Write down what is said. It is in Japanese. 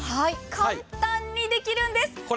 簡単にできるんです。